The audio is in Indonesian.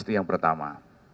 itu yang pertama